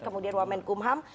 kemudian wamen kumham